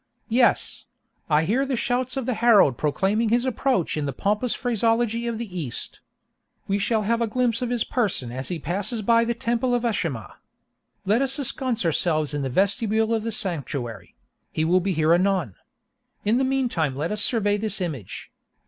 Yes—I hear the shouts of the herald proclaiming his approach in the pompous phraseology of the East. We shall have a glimpse of his person as he passes by the temple of Ashimah. Let us ensconce ourselves in the vestibule of the sanctuary; he will be here anon. In the meantime let us survey this image.